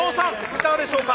いかがでしょうか。